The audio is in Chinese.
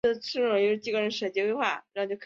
此出入口只设北行出口与南行入口。